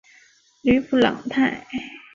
吕普朗泰。